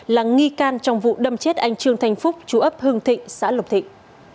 là nghi can trong vụ đâm chết anh trương thanh phúc chú ấp hưng thịnh xã lộc thịnh